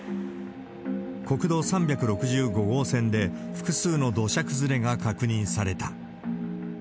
国道３６５号線で、複数の土砂崩れが確認された。